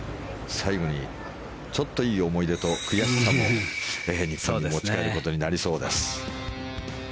最後にちょっといい思い出と悔しさを日本に持ち帰ることになりそうです。